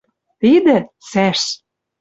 ТИДӸ — ЦӒШ